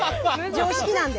常識なんで。